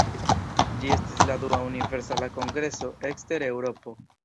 Ĝi estis la dua Universala Kongreso ekster Eŭropo.